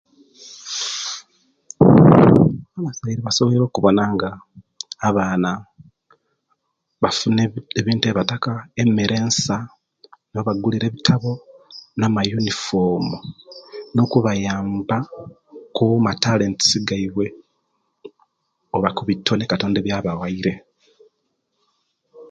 Abazaire basobwoire okubona nga abaana bafuna ebintu eibataka nga emere ensa, nobagulira ebitabo namaunifomu nokubayamba kumatalents gaibwe oba kibitone katonda byabawaire